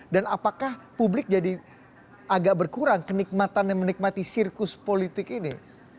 dan apakah publik jadi agak berkurang kenikmatan dan menikmati sirkus politik ini